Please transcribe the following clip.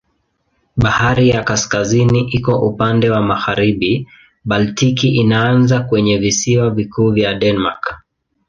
Bahari ya Kaskazini iko upande wa magharibi, Baltiki inaanza kwenye visiwa vikuu vya Denmark.